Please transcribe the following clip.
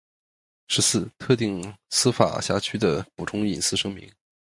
十四、特定司法辖区的补充隐私声明